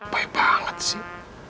baik banget sih